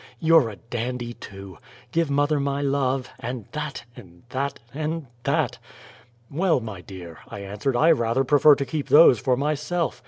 YOU'RE A DANDY TOO! Give mother my love and THAT and THAT and THAT!" "Well, my dear," I answered, "I rather prefer to keep THOSE for myself.